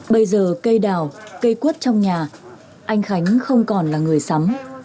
bây giờ cây đào cây quất trong nhà anh khánh không còn là người sắm